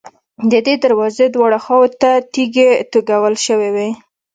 د دې دروازې دواړو خواوو ته تیږې توږل شوې وې.